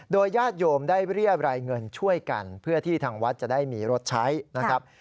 ญาติโยมได้เรียบรายเงินช่วยกันเพื่อที่ทางวัดจะได้มีรถใช้นะครับ